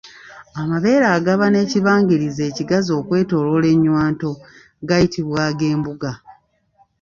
Amabeere agaba n’ekibangirizi ekigazi okwetooloola ennywanto gayitibwa ag’embuga.